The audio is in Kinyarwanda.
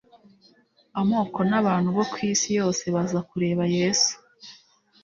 amoko n'abantu bo ku isi yose baza kureba Yesu.